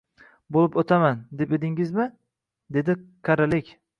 bo‘lib o‘taman, deb edingizmi? — dedi. — Qarilik